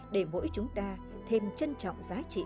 để mỗi chúng ta thêm trân trọng giá trị